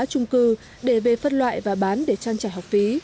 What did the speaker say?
trung cư để về phân tích